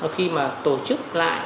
khi mà tổ chức lại